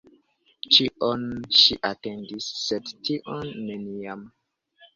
Ĉion ŝi atendis, sed tion — neniam.